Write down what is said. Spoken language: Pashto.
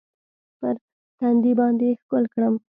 پر تندي باندې يې ښکل کړم.